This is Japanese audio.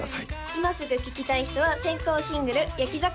今すぐ聴きたい人は先行シングル「焼き魚」